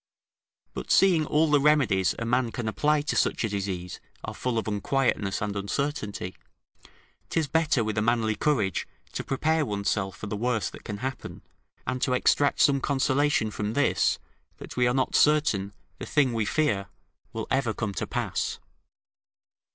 But seeing all the remedies a man can apply to such a disease, are full of unquietness and uncertainty, 'tis better with a manly courage to prepare one's self for the worst that can happen, and to extract some consolation from this, that we are not certain the thing we fear will ever come to pass.